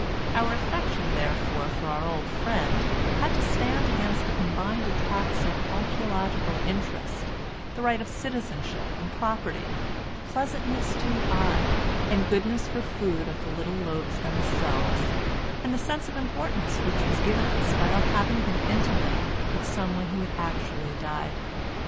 Our affection, therefore, for our old friend had to stand against the combined attacks of archæological interest, the rights of citizenship and property, the pleasantness to the eye and goodness for food of the little loaves themselves, and the sense of importance which was given us by our having been intimate with someone who had actually died.